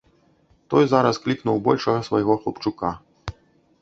Той зараз клікнуў большага свайго хлапчука.